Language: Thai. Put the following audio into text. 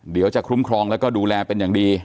เดี๋ยวจะคุ้มครองแล้วก็ดูแลเป็นอย่างดี